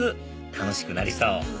楽しくなりそう